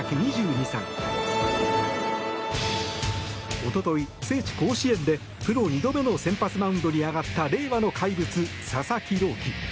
おととい、聖地・甲子園でプロ２度目の先発マウンドに上がった令和の怪物、佐々木朗希。